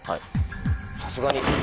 さすがに。